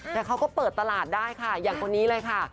แต่เขาก็เปิดตลาดได้ค่ะอย่างคนนี้เลยค่ะ